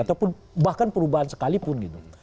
ataupun bahkan perubahan sekalipun gitu